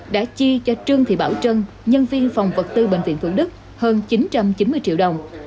đã chi cho trương thị bảo trân nhân viên phòng vật tư bệnh viện thủ đức hơn chín trăm chín mươi triệu đồng